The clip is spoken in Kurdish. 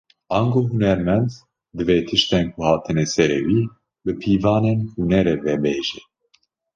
Ango hunermend, divê tiştên ku hatine serî wî, bi pîvanên hunerê vebêje